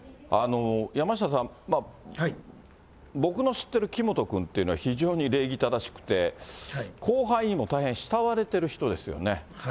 山下さん、僕の知ってる木本君っていうのは、非常に礼儀正しくて、後輩にも大変慕われてる人ですよね。